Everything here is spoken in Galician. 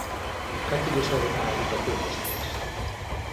¿Canto lle soben á educación vostedes?